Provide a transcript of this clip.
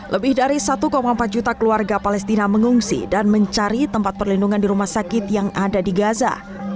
lebih dari satu empat juta keluarga palestina mengungsi dan mencari tempat perlindungan di rumah sakit yang ada di gaza